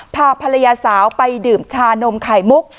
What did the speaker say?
พาภรรยาสาวไปดื่มชานมไข่มุก